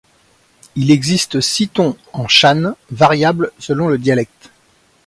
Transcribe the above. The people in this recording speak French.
Il existe six tons en shan, variables selon le dialecte.